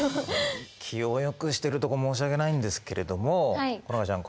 気をよくしてるとこ申し訳ないんですけれども好花ちゃん